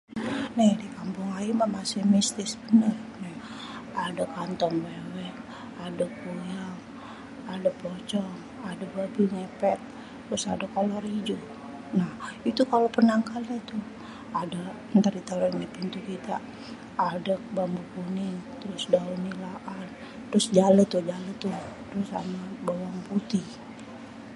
Nih dikampung ayé mêh masih mistis bener nih Adé kalongwewe, Adé tuyul, Adé pocong, Adé babi ngepet, terus Ade kolor ijo. Nah itu kalau penangkalnye itu Ade entar ditaroin dipintu kita ade bambu kuning, terus daon nilaan, terus jale tuh, Ade bawang putih.